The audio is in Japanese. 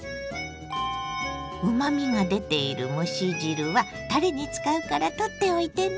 うまみが出ている蒸し汁はたれに使うから取っておいてね。